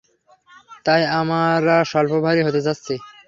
তাই আমরা স্বল্পভারী হতে চাচ্ছি।